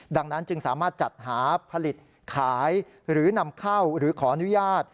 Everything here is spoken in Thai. ดังนั้นจึงสามารถจัดหาผลิตขายหรือนำเข้าหรือขออนุญาต